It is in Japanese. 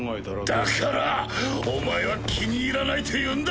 だからお前は気に入らないというんだ！